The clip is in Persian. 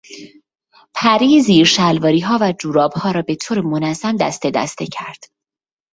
پری زیر شلواریها و جورابها را به طور منظم دسته دسته کرد.